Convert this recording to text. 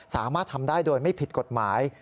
สามารถทำได้โดยไม่ผิดกฎหมาย